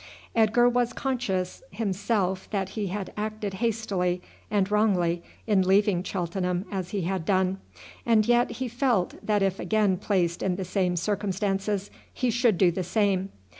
Edgar was conscious himself that he had acted hastily and wrongly in leaving Cheltenham as he had done, and yet he felt that if again placed in the same circumstances he should do the same.